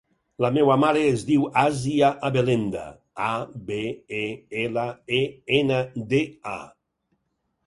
La meva mare es diu Àsia Abelenda: a, be, e, ela, e, ena, de, a.